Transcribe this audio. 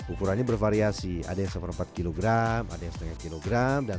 ukurannya bervariasi ada yang seperempat kilogram ada yang setengah kilogram dan